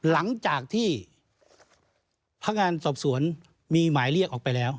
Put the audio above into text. หลังจากที่พนักงานสอบสวนมีหมายเรียกออกไปแล้ว